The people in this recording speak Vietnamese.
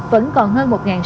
vẫn còn hơn một